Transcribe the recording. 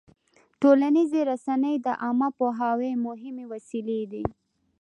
ټولنیزې رسنۍ د عامه پوهاوي مهمې وسیلې دي.